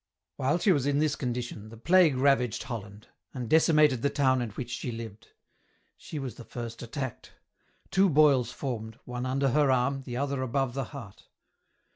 *'Whi4e she was in this condition, the plague ravaged Holland, and decimated the town in which she lived ; she was the first attacked. Two boils formed, one under her arm, the other above the heart.